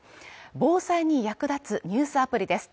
防災に役立つニュースアプリです。